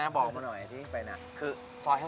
หนูน่าดสาวที่ไหนนะคะไม่เคยบอกนะ